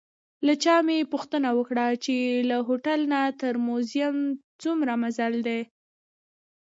له چا مې پوښتنه وکړه چې له هوټل نه تر موزیم څومره مزل دی؟